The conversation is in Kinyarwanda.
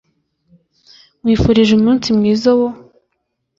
Nkwifurije umunsi mwiza wo